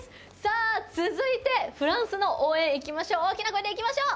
続いて、フランスの応援大きな声でいきましょう。